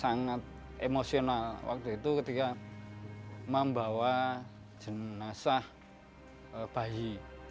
sangat emosional waktu itu ketika membawa jenazah bayi